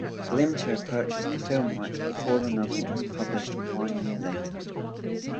Glimcher purchased the film rights before the novel was published one year later.